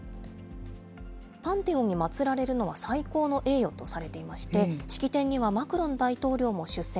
パンテオンに祭られるのは最高の栄誉とされていまして、式典にはマクロン大統領も出席。